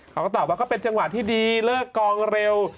เขาก็ตอบว่าก็เป็นจังหวะที่ดีเลิกกองเร็ว